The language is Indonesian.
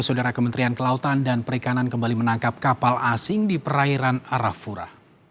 saudara kementerian kelautan dan perikanan kembali menangkap kapal asing di perairan arafura